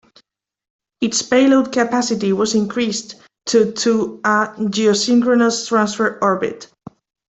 Its payload capacity was increased to to a geosynchronous transfer orbit.